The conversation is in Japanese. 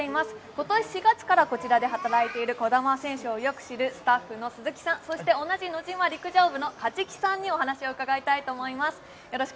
今年４月からこちらで働いている児玉選手をよく知る鈴木さん、そして同じノジマ陸上部の梶木さんにお話を伺いたいと思います。